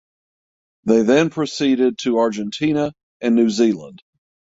They then proceeded to Argentina and New Zealand.